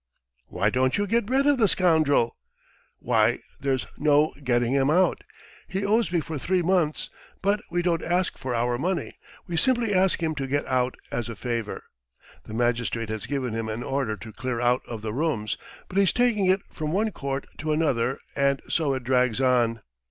"Why don't you get rid of the scoundrel?" "Why, there's no getting him out! He owes me for three months, but we don't ask for our money, we simply ask him to get out as a favour .... The magistrate has given him an order to clear out of the rooms, but he's taking it from one court to another, and so it drags on.